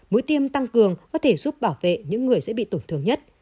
mũi tiêm tăng cường có thể giúp bảo vệ những người sẽ bị tổn thương nhất